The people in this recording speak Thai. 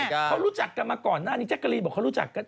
เขารู้จักกันมาก่อนหน้านี้แจ๊กกะรีนบอกเขารู้จักกัน